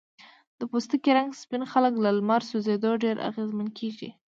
د پوستکي رنګ سپین خلک له لمر سوځېدو ډیر اغېزمن کېږي.